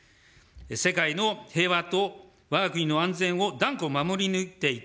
世界の平和とわが国の安全を断固守り抜いていく。